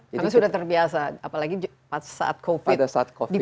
karena sudah terbiasa apalagi saat covid dipaksa untuk selalu bersahabat dengan gadgetnya